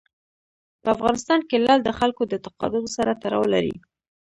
په افغانستان کې لعل د خلکو د اعتقاداتو سره تړاو لري.